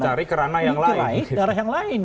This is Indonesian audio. ditarik karena yang lain